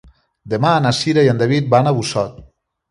Demà na Cira i en David van a Busot.